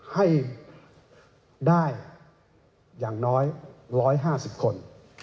ให้ได้อย่างน้อย๑๕๐คน